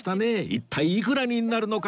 一体いくらになるのか！？